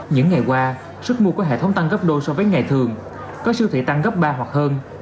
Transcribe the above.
những ngày qua sức mua của hệ thống tăng gấp đôi so với ngày thường có siêu thị tăng gấp ba hoặc hơn